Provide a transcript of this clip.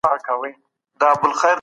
پر هغه وخت باندي ډېرې ستونزي راغلې.